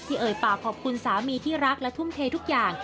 เอ่ยปากขอบคุณสามีที่รักและทุ่มเททุกอย่าง